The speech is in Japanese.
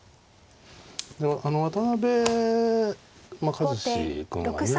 渡辺和史君はね